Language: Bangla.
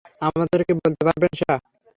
আমাদেরকে বলতে পারবেন সেটা?